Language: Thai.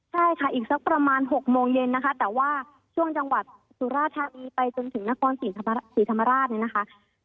ใช่ค่ะอีกสักประมาณ๖โมงเย็นนะคะแต่ว่าช่วงจังหวัดสุราธานีไปจนถึงนครศรีธรรมราชเนี่ยนะคะ